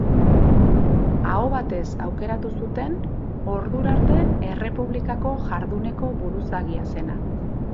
Aho batez aukeratu zuten ordura arte errepublikako jarduneko buruzagia zena.